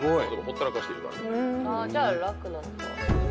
じゃあ楽なのか。